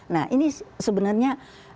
nah ini sebenarnya